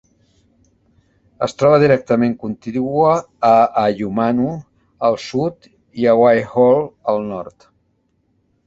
Es troba directament contigua a Ahuimanu al sud i Waiahole al nord.